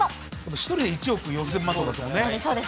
１人で１億４０００万円とかそうです。